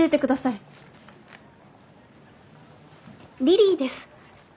リリィです。